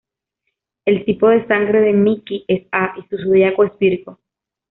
El tipo de sangre de Miki es A, y su zodiaco es Virgo.